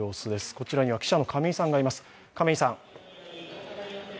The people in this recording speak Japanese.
こちらには記者の亀井さんがいます。